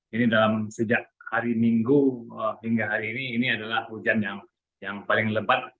ini dalam sejak hari minggu hingga hari ini ini adalah hujan yang paling lebat